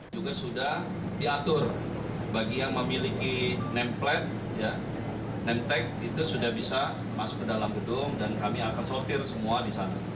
juga sudah diatur bagi yang memiliki nemp plat name tech itu sudah bisa masuk ke dalam gedung dan kami akan sortir semua di sana